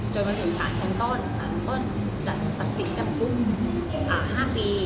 จนมันถึงสารชั้นต้นสารต้นประสิทธิ์จำคุม๕ปี